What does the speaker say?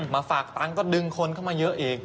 มาฝากตังค์ก็ดึงคนเข้ามาเยอะอีก